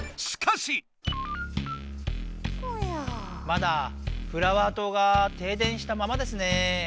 まだフラワー島が停電したままですね。